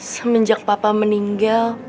semenjak papa meninggal